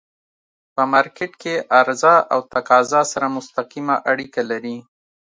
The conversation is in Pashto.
په مارکيټ کی عرضه او تقاضا سره مستقیمه اړیکه لري.